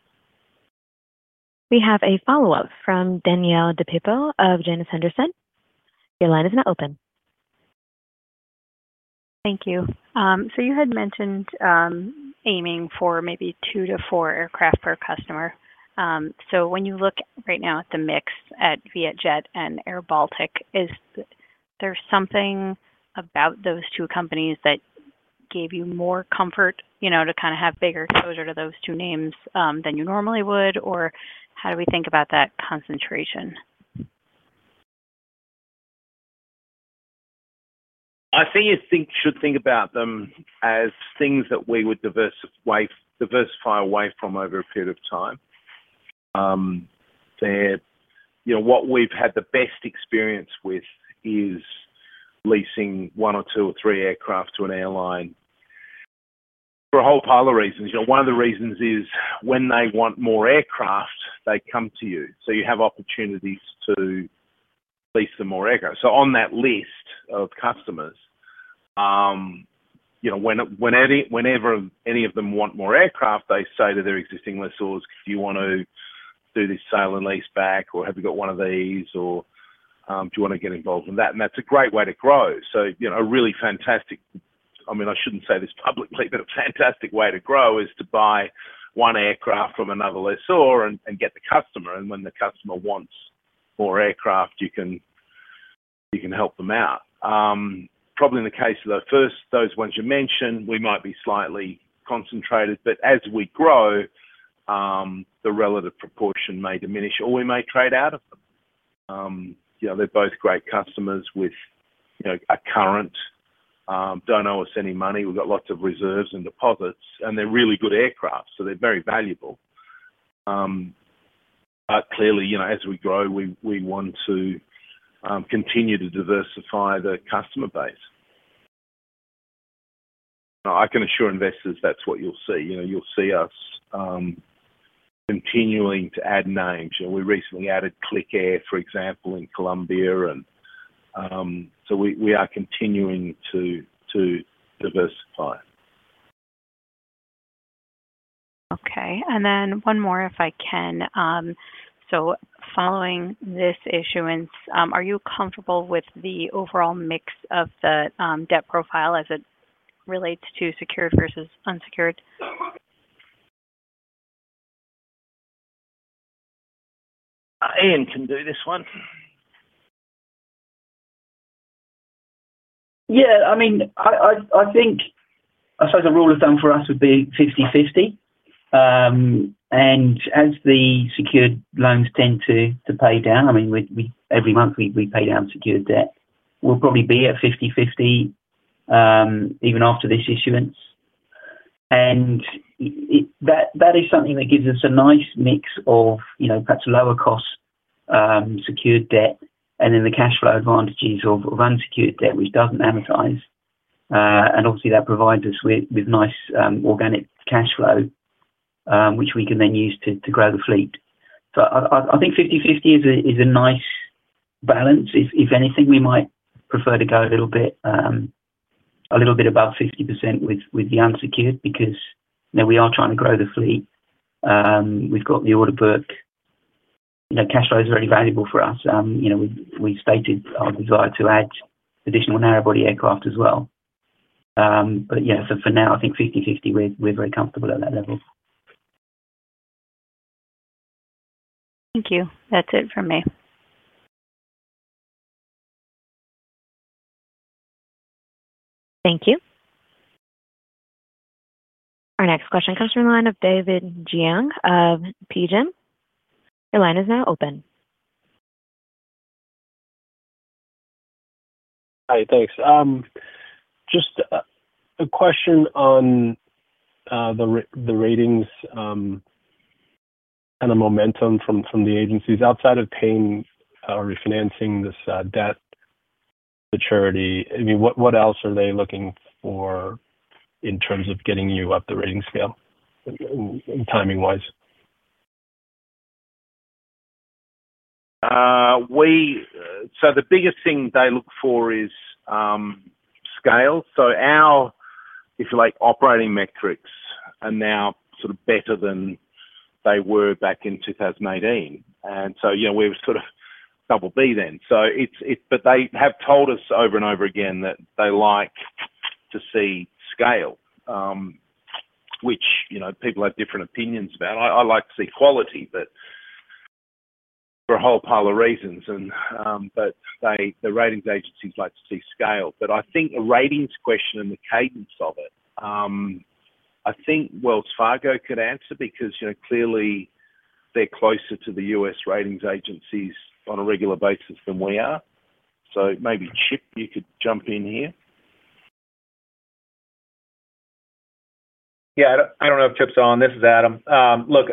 We have a follow-up from Danielle DePippo of Janus Henderson. Your line is now open. Thank you. You had mentioned aiming for maybe two to four aircraft per customer. When you look right now at the mix at VietJet and AirBaltic, is there something about those two companies that gave you more comfort to kind of have bigger exposure to those two names than you normally would? How do we think about that concentration? I think you should think about them as things that we would diversify away from over a period of time. What we've had the best experience with is leasing one or two or three aircraft to an airline for a whole pile of reasons. One of the reasons is when they want more aircraft, they come to you. You have opportunities to lease them more aircraft. On that list of customers, whenever any of them want more aircraft, they say to their existing lessors, "Do you want to do this sale and lease back?" or, "Have you got one of these?" or, "Do you want to get involved in that?" That's a great way to grow. A really fantastic, I mean, I shouldn't say this publicly, but a fantastic way to grow is to buy one aircraft from another lessor and get the customer. When the customer wants more aircraft, you can help them out. Probably in the case of the first, those ones you mentioned, we might be slightly concentrated. As we grow, the relative proportion may diminish, or we may trade out of them. They're both great customers with a current, don't owe us any money. We've got lots of reserves and deposits. They're really good aircraft. They're very valuable. Clearly, as we grow, we want to continue to diversify the customer base. I can assure investors that's what you'll see. You'll see us continuing to add names. We recently added Clic Air, for example, in Colombia. We are continuing to diversify. Okay. One more if I can. Following this issuance, are you comfortable with the overall mix of the debt profile as it relates to secured versus unsecured? Iain can do this one. Yeah. I mean, I think I suppose the rule of thumb for us would be 50/50. As the secured loans tend to pay down, I mean, every month we pay down secured debt, we'll probably be at 50/50 even after this issuance. That is something that gives us a nice mix of, you know, perhaps lower cost secured debt and then the cash flow advantages of unsecured debt, which doesn't amortize. Obviously, that provides us with nice organic cash flow, which we can then use to grow the fleet. I think 50/50 is a nice balance. If anything, we might prefer to go a little bit above 50% with the unsecured because we are trying to grow the fleet. We've got the order book. You know, cash flow is very valuable for us. You know, we've stated our desire to add additional narrow-body aircraft as well. For now, I think 50/50, we're very comfortable at that level. Thank you. That's it for me. Thank you. Our next question comes from the line of David Jiang of PGIM. Your line is now open. Hi. Thanks. Just a question on the ratings and the momentum from the agencies. Outside of paying or refinancing this debt maturity, what else are they looking for in terms of getting you up the rating scale timing-wise? The biggest thing they look for is scale. Our, if you like, operating metrics are now sort of better than they were back in 2018. We were sort of double B then. They have told us over and over again that they like to see scale, which people have different opinions about. I like to see quality for a whole pile of reasons. The ratings agencies like to see scale. I think the ratings question and the cadence of it, I think Wells Fargo could answer because, clearly, they're closer to the U.S. ratings agencies on a regular basis than we are. Maybe Chip, you could jump in here. Yeah, I don't know if Chip's on. This is Adam. Look,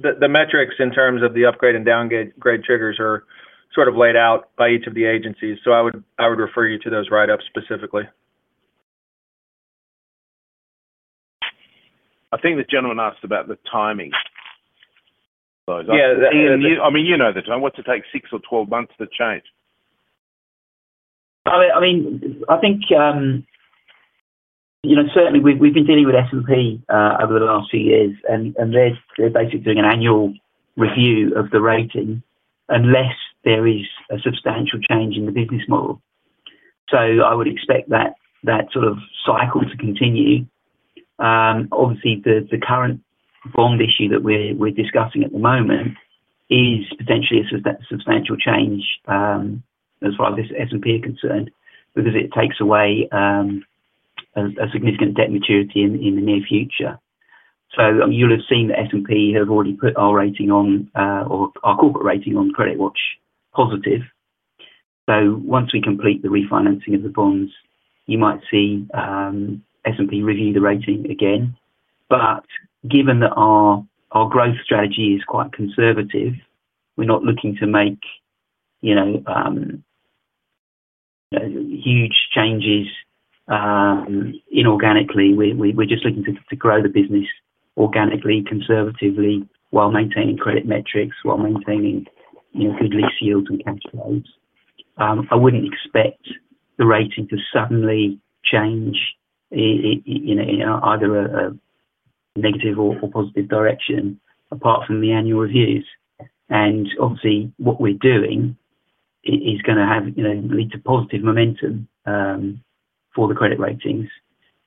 the metrics in terms of the upgrade and downgrade triggers are sort of laid out by each of the agencies. I would refer you to those write-ups specifically. I think this gentleman asked about the timing. I mean, you know the time. What's it take, 6 or 12 months to change? I mean, I think, certainly, we've been dealing with S&P over the last few years. They're basically doing an annual review of the rating unless there is a substantial change in the business model. I would expect that sort of cycle to continue. Obviously, the current bond issue that we're discussing at the moment is potentially a substantial change as far as S&P are concerned because it takes away a significant debt maturity in the near future. You'll have seen that S&P have already put our rating on, or our corporate rating on CreditWatch Positive. Once we complete the refinancing of the bonds, you might see S&P review the rating again. Given that our growth strategy is quite conservative, we're not looking to make huge changes inorganically. We're just looking to grow the business organically, conservatively, while maintaining credit metrics, while maintaining good lease yields and cash flows. I wouldn't expect the rating to suddenly change in either a negative or positive direction apart from the annual reviews. Obviously, what we're doing is going to lead to positive momentum for the credit ratings.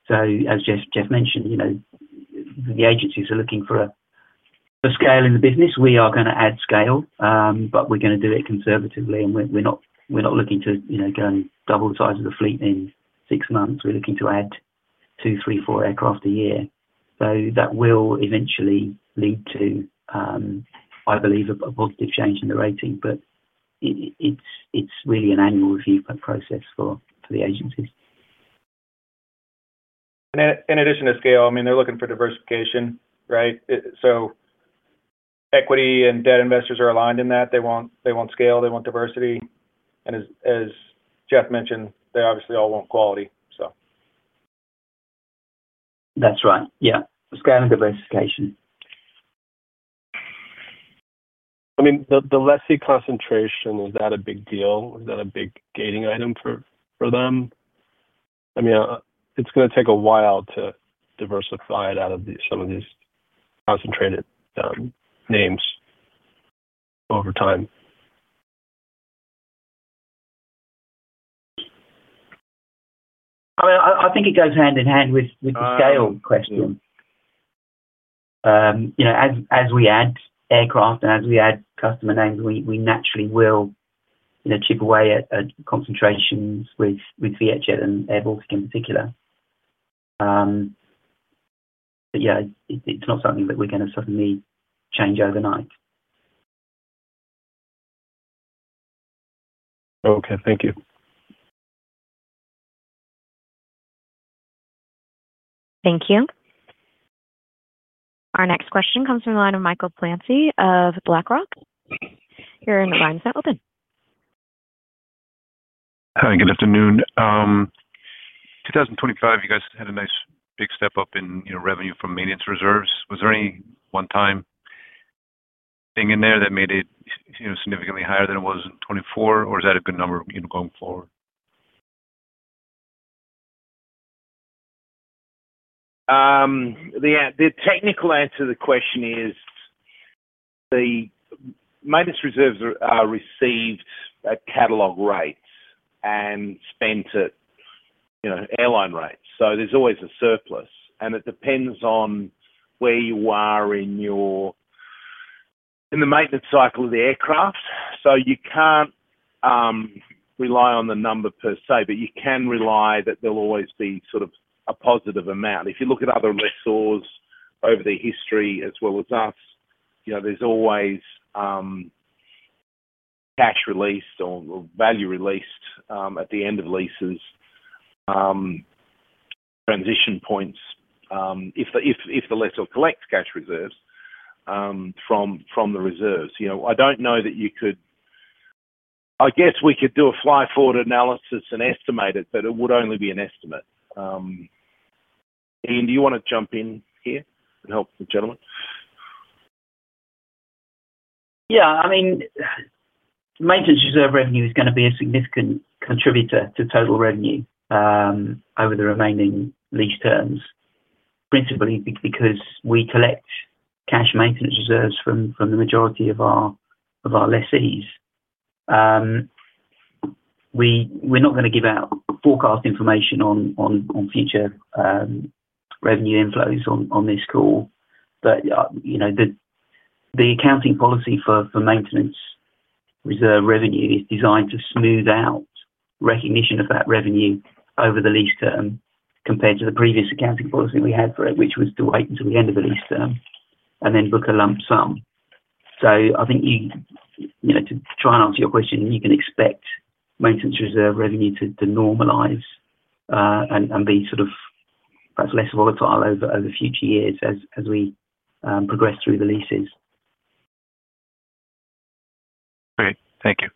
As Jeff mentioned, the agencies are looking for a scale in the business. We are going to add scale, but we're going to do it conservatively. We're not looking to go and double the size of the fleet in six months. We're looking to add two, three, four aircraft a year. That will eventually lead to, I believe, a positive change in the rating. It's really an annual review process for the agencies. In addition to scale, they're looking for diversification, right? Equity and debt investors are aligned in that. They want scale, they want diversity, and as Jeff mentioned, they obviously all want quality. That's right. Yeah, scale and diversification. I mean, the lessor concentration, is that a big deal? Is that a big gating item for them? I mean, it's going to take a while to diversify it out of some of these concentrated names over time. I think it goes hand in hand with the scale question. As we add aircraft and as we add customer names, we naturally will chip away at concentrations with VietJet and airBaltic in particular. It's not something that we're going to suddenly change overnight. Okay, thank you. Thank you. Our next question comes from the line of Michael Plancey of BlackRock. Your line is now open. Hi. Good afternoon. In 2025, you guys had a nice big step up in revenue from maintenance reserves. Was there any one-time thing in there that made it significantly higher than it was in 2024, or is that a good number going forward? The technical answer to the question is the maintenance reserves are received at catalog rates and spent at airline rates. There's always a surplus, and it depends on where you are in the maintenance cycle of the aircraft. You can't rely on the number per se, but you can rely that there'll always be sort of a positive amount. If you look at other lessors over their history as well as us, there's always cash released or value released at the end of leases, transition points. If the lessor collects cash reserves from the reserves, I don't know that you could, I guess we could do a fly-forward analysis and estimate it, but it would only be an estimate. Iain, do you want to jump in here and help the gentleman? Yeah. I mean, the maintenance reserve revenue is going to be a significant contributor to total revenue over the remaining lease terms, principally because we collect cash maintenance reserves from the majority of our lessees. We're not going to give out forecast information on future revenue inflows on this call. The accounting policy for maintenance reserve revenue is designed to smooth out recognition of that revenue over the lease term compared to the previous accounting policy we had for it, which was to wait until the end of the lease term and then book a lump sum. I think, to try and answer your question, you can expect maintenance reserve revenue to normalize and be sort of perhaps less volatile over future years as we progress through the leases. Great, thank you.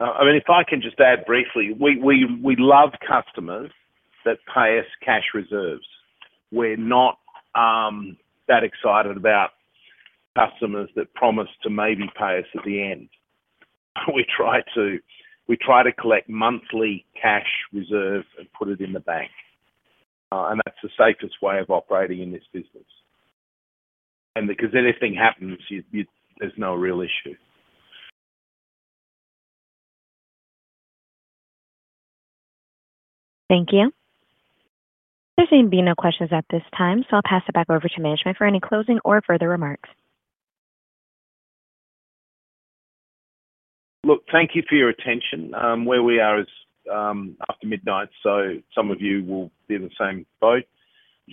If I can just add briefly, we love customers that pay us cash reserves. We're not that excited about customers that promise to maybe pay us at the end. We try to collect monthly cash reserve and put it in the bank. That's the safest way of operating in this business because anything happens, there's no real issue. Thank you. There seem to be no questions at this time. I'll pass it back over to management for any closing or further remarks. Look, thank you for your attention. Where we are is after midnight, so some of you will be in the same boat.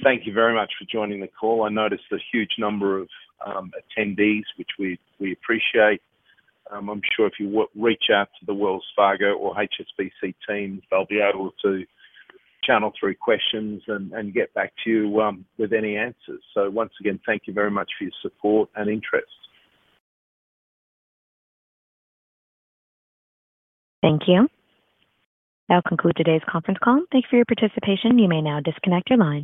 Thank you very much for joining the call. I noticed a huge number of attendees, which we appreciate. I'm sure if you reach out to Wells Fargo Securities Fargo or HSBC team, they'll be able to channel through questions and get back to you with any answers. Once again, thank you very much for your support and interest. Thank you. That will conclude today's conference call. Thank you for your participation. You may now disconnect your line.